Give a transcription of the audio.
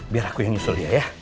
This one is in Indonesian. biar aku yang susul dia ya